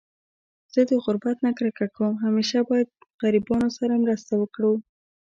زه د غربت نه کرکه کوم .همیشه باید غریبانانو سره مرسته وکړو